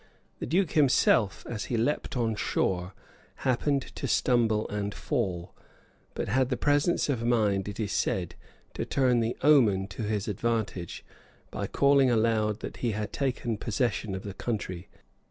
The duke himself, as he leaped on shore, happened to stumble and fall; but had the presence of mind, it is said, to turn the omen to his advantage, by calling aloud that he had taken possession of the country.